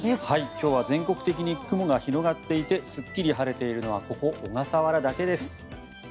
今日は全国的に雲が広がっていてすっきり晴れているのはここ、小笠原だけです。